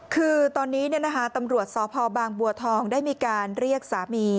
คือตอนนี้ตำรวจสพบางบัวทองได้มีการเรียกสามี